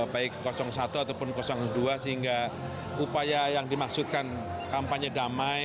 baik satu ataupun dua sehingga upaya yang dimaksudkan kampanye damai